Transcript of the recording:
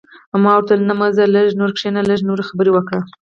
ما ورته وویل: نه، مه ځه، لږ نور کښېنه، لږ نورې خبرې وکړه.